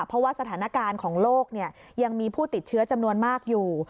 เพราะว่าสถานการณ์ของโลกยังมีผู้ติดเชื้อจำนวนมากอยู่